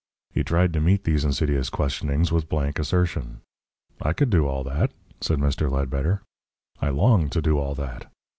He tried to meet these insidious questionings with blank assertion. "I could do all that," said Mr. Ledbetter. "I long to do all that.